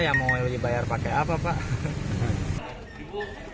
yang mau dibayar pakai apa pak